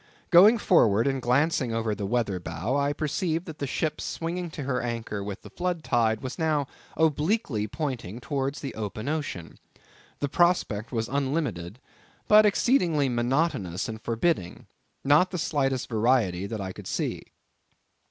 Going forward and glancing over the weather bow, I perceived that the ship swinging to her anchor with the flood tide, was now obliquely pointing towards the open ocean. The prospect was unlimited, but exceedingly monotonous and forbidding; not the slightest variety that I could see.